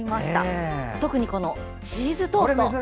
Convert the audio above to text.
特にチーズトースト